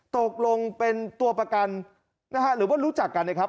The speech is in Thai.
ตกลงเป็นตัวประกันนะฮะหรือว่ารู้จักกันนะครับ